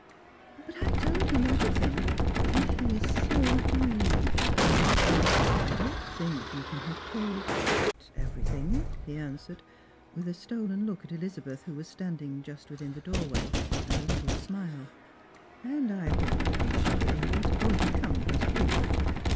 "But I told him everything, and he is so grieved." " I don't think you can have told quite everything," he answered, with a stolen look at Elizabeth, who was standing just within the doorway, and a little smile, "and I hope we shall be able to overcome his grief.